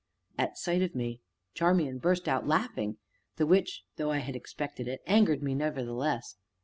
At sight of me Charmian burst out laughing, the which, though I had expected it, angered me nevertheless.